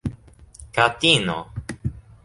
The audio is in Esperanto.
katino